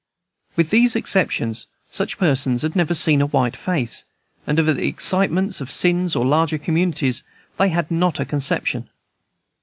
With these exceptions, such persons had never seen a white face, and of the excitements or sins of larger communities they had not a conception.